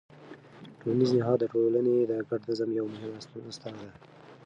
ټولنیز نهاد د ټولنې د ګډ نظم یوه مهمه ستنه ده.